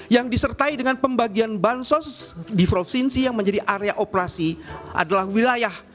yang disertai dengan pembagian bansos di provinsi yang menjadi area operasi adalah wilayah